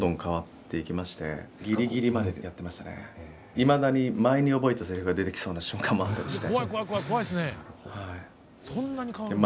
いまだに前に覚えたせりふが出てきそうな瞬間もあったりして。